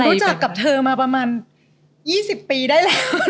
รู้จักกับเธอมาประมาณ๒๐ปีได้แล้ว